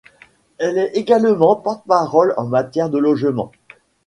Elle est également porte-parole en matière de logement.